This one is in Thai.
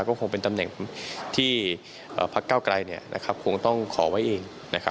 ก็คงเป็นตำแหน่งที่พักเก้าไกรคงต้องขอไว้เอง